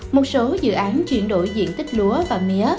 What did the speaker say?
một số dự án chuyển đổi diện tích lúa và mía